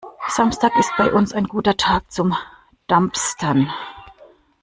Samstag ist bei uns ein guter Tag zum Dumpstern.